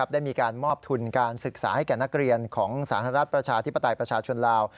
ได้มีการมอบทุนการศึกษาให้แก่นักเรียนของสหรัฐประชาธิปไตยประชาชนลาว